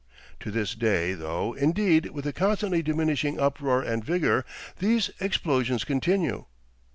To this day, though indeed with a constantly diminishing uproar and vigour, these explosions continue.